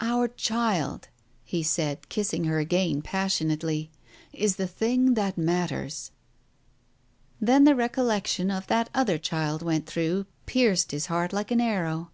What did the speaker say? "Our child," he said, kissing her again passionately, "is the thing that matters." Then the recollection of that other child went through, pierced his heart like an arrow.